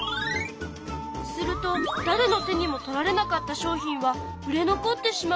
するとだれの手にも取られなかった商品は売れ残ってしまうの。